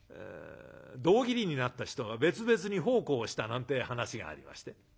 胴切りになった人が別々に奉公したなんてえ噺がありまして。